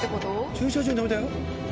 駐車場に止めたよ。